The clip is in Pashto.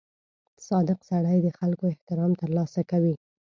• صادق سړی د خلکو احترام ترلاسه کوي.